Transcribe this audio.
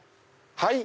はい？